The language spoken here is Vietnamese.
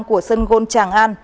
của sân gôn tràng an